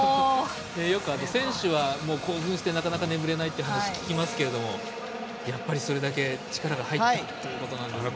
よく選手は興奮してなかなか眠れないっていう話を聞きますけどやっぱりそれだけ力が入るということなんですね。